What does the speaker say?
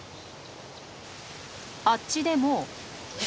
あっちでも。